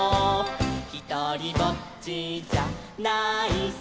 「ひとりぼっちじゃないさ」